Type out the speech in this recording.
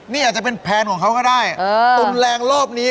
นี่อาจจะเป็นแพลนของเขาก็ได้ตนแรงรอบนี้